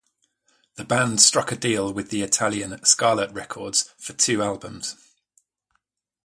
The band struck a deal with the Italian Scarlet Records for two albums.